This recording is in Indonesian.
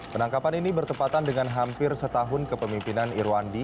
penangkapan ini bertepatan dengan hampir setahun kepemimpinan irwandi